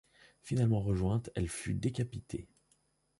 Finalement rejointe, elle fut décapitée.